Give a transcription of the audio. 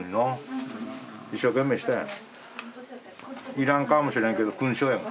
いらんかもしれんけど勲章やわ。